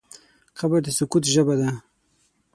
قبر د سکوت ژبه ده.